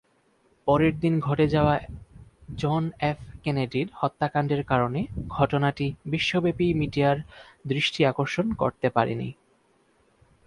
পরের দিন ঘটে যাওয়া জন এফ কেনেডির হত্যাকাণ্ডের কারণে ঘটনাটি বিশ্বব্যাপী মিডিয়ার দৃষ্টি আকর্ষণ করতে পারেনি।